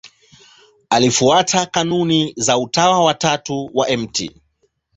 Alifuata kanuni za Utawa wa Tatu wa Mt.